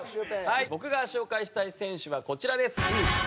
僕が紹介したい選手はこちらです。